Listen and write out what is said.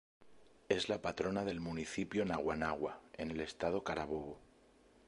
Es la patrona del municipio Naguanagua, en el Estado Carabobo.